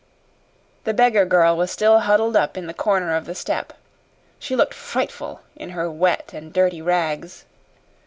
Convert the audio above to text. The beggar girl was still huddled up in the corner of the step. She looked frightful in her wet and dirty rags.